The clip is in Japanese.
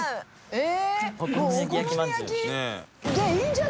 えっ？